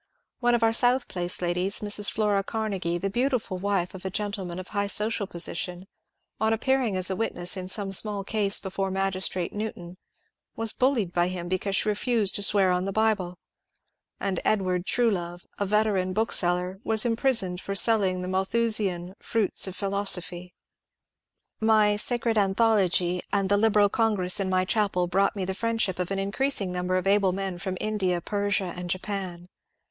One of our South Place ladies, Mrs. flora Carne^e, the beautiful wife of a gentleman of high social po sition, on appearing as a witness in some small case before Magistrate Newton, was bullied by him because she refused to swear on the Bible ; and Edward Truelove, a veteran book seller, was imprisoned for selling the Malthusian ^* Fruits of Philosophy." My ^^ Sacred Anthology " and the Liberal Congress in my chapel brought me the friendship of an increasing numbtf of able men from India, Persia, and Japan.